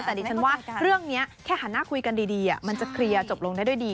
แต่ดิฉันว่าเรื่องนี้แค่หันหน้าคุยกันดีมันจะเคลียร์จบลงได้ด้วยดี